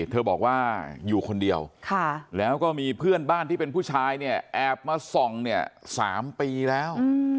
เธอบอกว่าอยู่คนเดียวแล้วก็มีเพื่อนบ้านที่เป็นผู้ชายเนี่ยแอบมาส่องเนี่ย๓ปีแล้ว